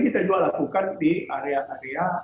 kita juga lakukan di area area